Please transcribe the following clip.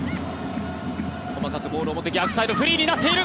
細かくボールを持って逆サイド、フリーになっている。